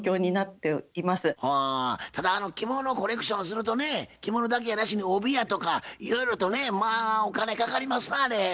ただ着物をコレクションするとね着物だけやなしに帯やとかいろいろとねまあお金かかりますなあれ。